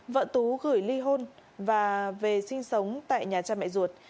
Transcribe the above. vợ tú gửi ly hôn và về sinh sống tại nhà cha mẹ ruột